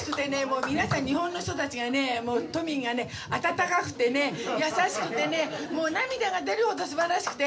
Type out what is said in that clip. もう皆さん日本の人たちがね都民がね温かくてね優しくてねもう涙が出るほど素晴らしくて。